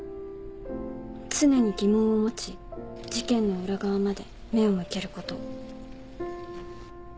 「常に疑問を持ち事件の裏側まで目を向けること」